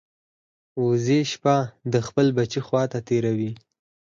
وزې شپه د خپل بچي خوا ته تېروي